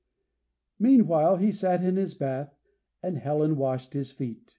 Meanwhile he sat in his bath and Helen washed his feet.